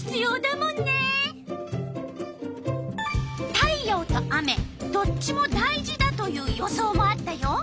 太陽と雨どっちも大事だという予想もあったよ。